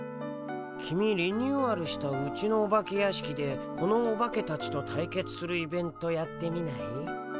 キミリニューアルしたうちのお化け屋敷でこのオバケたちと対決するイベントやってみない？